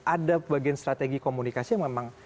ada bagian strategi komunikasi yang memang